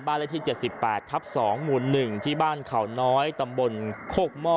เลขที่๗๘ทับ๒หมู่๑ที่บ้านเขาน้อยตำบลโคกหม้อ